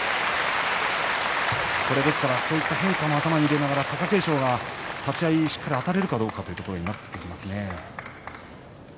そういった変化も頭に入れながら貴景勝は立ち合いしっかりあたれるかどうかというところになってきますね。